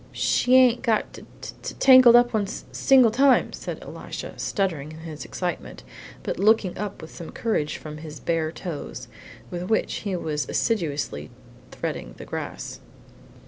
"She ain't got t t tangled up one s single time," said Elisha, stuttering in his excitement, but looking up with some courage from his bare toes, with which he was assiduously threading the grass.